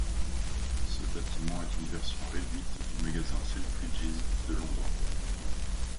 Ce bâtiment est une version réduite du magasin Selfridges de Londres.